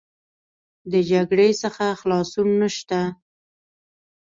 د جګړې څخه خلاصون نشته.